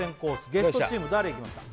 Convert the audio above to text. ゲストチーム誰いきますか？